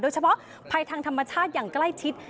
เฉพาะภัยทางธรรมชาติอย่างใกล้ชิด